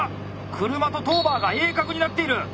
車とトーバーが鋭角になっている！